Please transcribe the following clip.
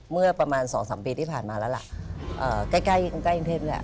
เมื่อประมาณ๒๓ปีที่ผ่านมาละละใกล้ใกล้อย่างแทนอยด์ด้วยล่ะ